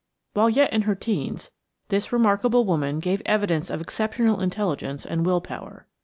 While yet in her teens, this remarkable woman gave evidence of exceptional intelligence and will power.